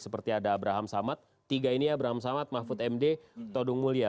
seperti ada abraham samad tiga ini abraham samad mahfud md todung mulia